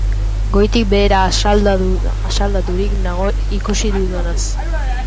Goitik behera asaldaturik nago ikusi dudanaz.